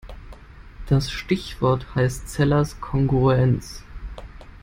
Das Stichwort heißt Zellers Kongruenz.